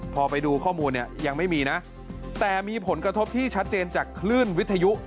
พอไปดูข้อมูลเนี่ยยังไม่มีนะแต่มีผลกระทบที่ชัดเจนจากคลื่นวิทยุ